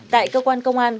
tại cơ quan công an